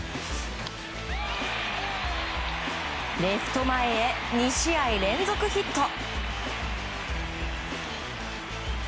レフト前へ、２試合連続ヒット。